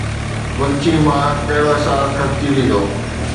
گنچي مان ڪهڙو احسان کسجي ويندو؟